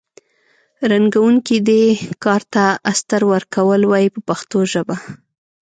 رنګوونکي دې کار ته استر ورکول وایي په پښتو ژبه.